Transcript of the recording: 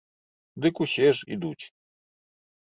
Дык усе ж ідуць.